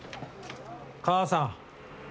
母さん。